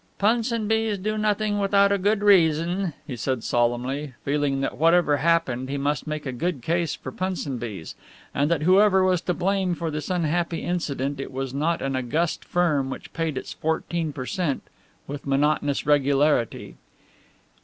"Punsonby's do nothing without a good reason," he said solemnly, feeling that whatever happened he must make a good case for Punsonby's, and that whoever was to blame for this unhappy incident it was not an august firm which paid its fourteen per cent. with monotonous regularity.